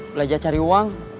belajar cari uang